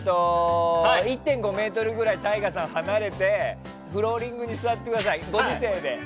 １．５ｍぐらいＴＡＩＧＡさん、離れてフローリングに座ってください。